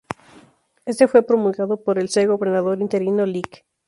Este fue promulgado por el C. Gobernador Interino, Lic.